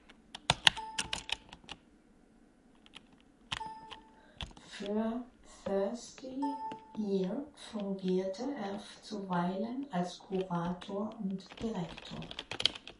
Für Thirsty Ear fungierte er zuweilen als Kurator und Direktor.